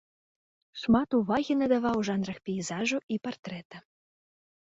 Шмат увагі надаваў жанрах пейзажу і партрэта.